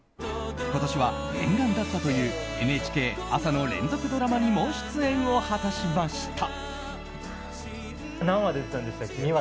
今年は念願だったというＮＨＫ朝の連続ドラマにも出演を果たしました。